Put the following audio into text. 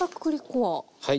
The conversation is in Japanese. はい。